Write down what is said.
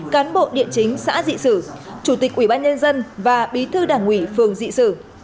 cán bộ địa chính xã dị sử chủ tịch ủy ban nhân dân và bí thư đảng ủy phường dị sử